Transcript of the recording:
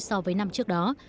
so với năm trước đó